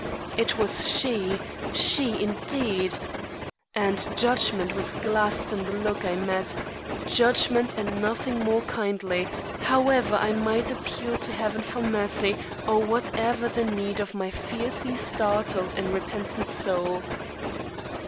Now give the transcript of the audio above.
It was she, she, indeed! and judgment was glassed in the look I met judgment and nothing more kindly, however I might appeal to Heaven for mercy or whatever the need of my fiercely startled and repentant soul.